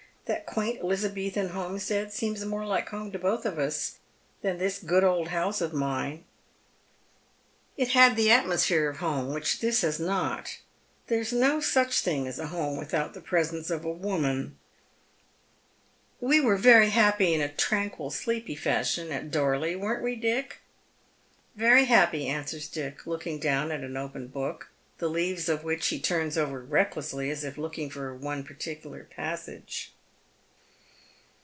That quaint Elizabethan homestead seemed more like home to botli of us than this good old house of mine. It had the atmosphere of home, which tliis has not. There is o© On the TJiresTtota of a Discovery. 269 euch thing as home without tlie presence of a woman. We were very happy — in a ti'anquil, sleepy f asliion — at Dorley, weren't we, Dick ?"" Very happy," answers Dick, looking down at an open book, the leaves of which he tui ns over recklessly, as if looking for me particular passage.